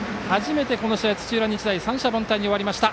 この試合初めて、土浦日大三者凡退に終わりました。